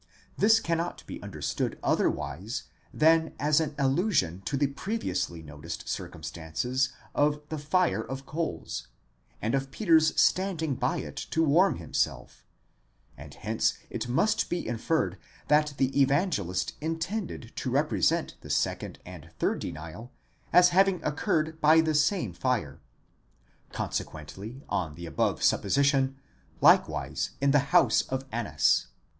25): this cannot be understood otherwise than as an allusion to the previously noticed circumstances of the fire of coals, and of Peter's standing by it to warm himself, and hence it must be inferred that the Evangelist intended to represent the second and third denial as having occurred by the same fire, consequently, on the above supposition, likewise in the house of Annas.